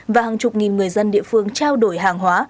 và hàng chục nghìn người dân địa phương trao đổi hàng hóa